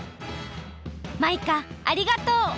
マイカありがとう！